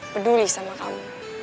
peduli sama kamu